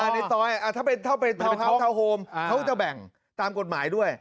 อ๋อในต้อยถ้าเป็นท้าวโฮมเขาจะแบ่งตามกฎหมายด้วย